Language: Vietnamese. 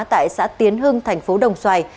tại xã tiến hưng thành phố đồng xoài